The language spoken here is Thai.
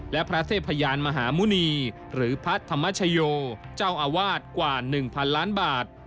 และพระเทพยานมหาหมุณีหรือพระธรรมชโยเจ้าอาวาสกว่า๑๐๐๐ล้านบาท